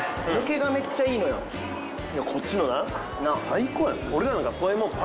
こっちのな最高やな。